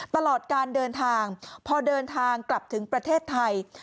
ตลอดการเดินทางพอเดินทางกลับถึงประเทศไทย